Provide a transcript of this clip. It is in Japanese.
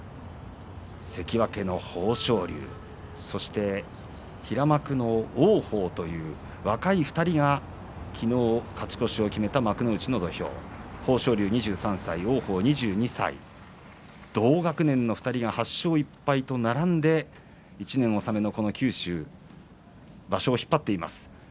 関脇の豊昇龍そして平幕の王鵬という若い２人が昨日、勝ち越しを決めた幕内の土俵豊昇龍、２３歳、王鵬２２歳同学年の２人が８勝２敗と並んで１年納めのこの九州場所を引っ張っています。